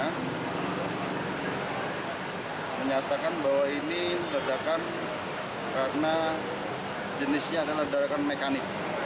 dan juga menyatakan bahwa ini ledakan karena jenisnya adalah ledakan mekanik